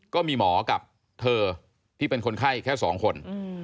ก็มีหมอกับเธอที่เป็นคนไข้แค่๒คน